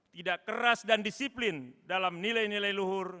tidak keras dan disiplin dalam nilai nilai luhur